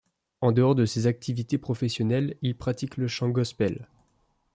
En dehors de ses activités professionnelles, il pratique le chant Gospel.